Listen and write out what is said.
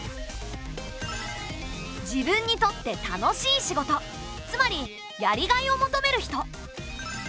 自分にとって楽しい仕事つまりやりがいを求める人。